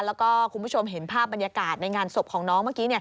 แล้วก็คุณผู้ชมเห็นภาพบรรยากาศในงานศพของน้องเมื่อกี้